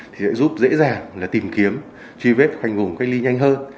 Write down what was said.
thì sẽ giúp dễ dàng tìm kiếm truy vết khoanh vùng cách ly nhanh hơn